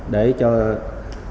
để cho an ninh trật tự